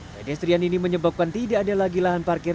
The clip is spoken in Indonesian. pedestrian ini menyebabkan tidak ada lagi lahan parkir